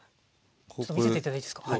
ちょっと見せて頂いていいですか？